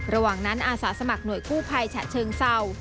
ระหว่างนั้นอาสาสมัครหน่วยกู้ภัยฉะเชิงเศร้า